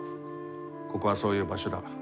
ここはそういう場所だ。